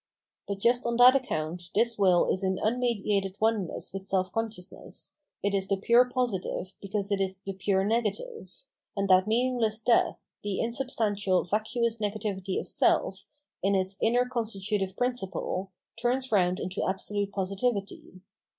But just on that account this wiU is in unmediated oneness with self consciousness, it is the pure positive because it is the pure negative ; and that meaningless death, the insubstantial, vacuous negativity of self, in its inner constitutive principle, turns round into abso lute positivity.